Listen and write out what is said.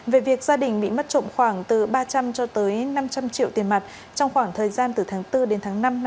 về việc gia đình bị mất trộm khoảng từ ba trăm linh cho tới năm trăm linh triệu tiền mặt trong khoảng thời gian từ tháng bốn đến tháng năm năm hai nghìn hai mươi